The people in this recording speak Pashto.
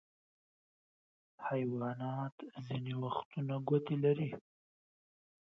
حیوانات ځینې وختونه ګوتې لري.